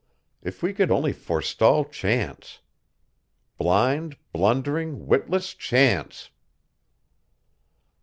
If we could only forestall Chance! Blind, blundering, witless Chance!"